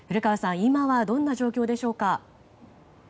今はどんな状況でしょうか？